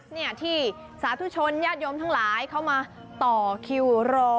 เนี่ยที่สาธุชนญาติโยมทั้งหลายเข้ามาต่อคิวรอ